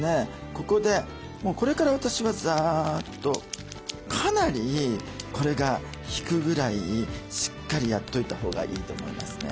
ここでもうこれから私はザッとかなりこれが引くぐらいしっかりやっといたほうがいいと思いますね。